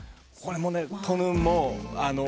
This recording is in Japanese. これもね